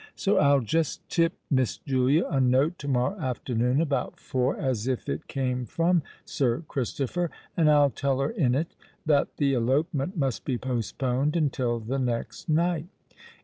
So I'll just tip Miss Julia a note to morrow afternoon about four, as if it came from Sir Christopher; and I'll tell her in it that the elopement must be postponed until the next night.